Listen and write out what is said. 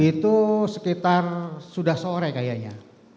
itu sekitar sudah sore kayaknya